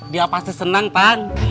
dia pasti senang tan